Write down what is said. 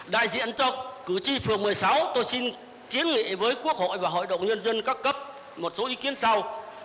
đại diện cho cử tri phường một mươi sáu tôi xin kiến nghị với quốc hội và hội đồng nhân dân các cấp một số ý kiến sau